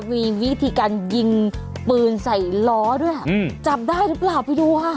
มีวิธีการยิงปืนใส่ล้อด้วยจับได้หรือเปล่าไปดูค่ะ